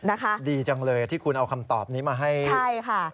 เออดีจังเลยที่คุณเอาคำตอบนี้มาให้รู้